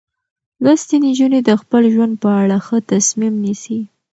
لوستې نجونې د خپل ژوند په اړه ښه تصمیم نیسي.